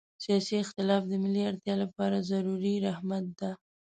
سیاسي اختلاف د ملي اړتیا لپاره ضروري رحمت ده.